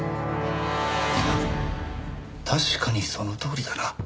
確かにそのとおりだな。